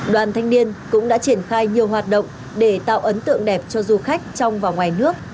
đoàn thanh niên cũng đã triển khai nhiều hoạt động để tạo ấn tượng đẹp cho du khách trong và ngoài nước